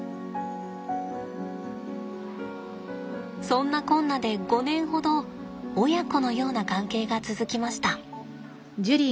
そんなこんなで５年ほど親子のような関係が続きました。